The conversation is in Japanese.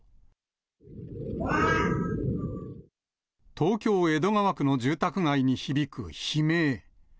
東京・江戸川区の住宅街に響く悲鳴。